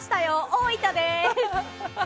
大分です！